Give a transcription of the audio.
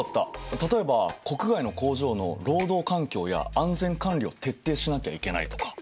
例えば国外の工場の労働環境や安全管理を徹底しなきゃいけないとか。